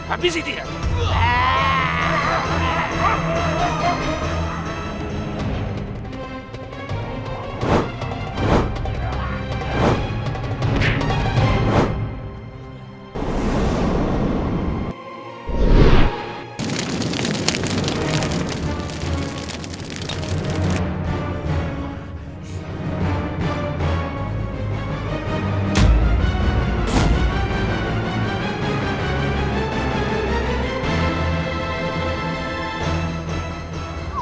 aku sibuk disini